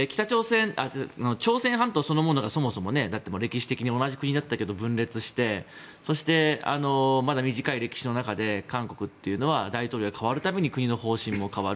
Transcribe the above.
朝鮮半島そのものがそもそも歴史的に同じ国だったけど分裂してそして、まだ短い歴史の中で韓国というのは大統領が代わる度に国の方針も変わる。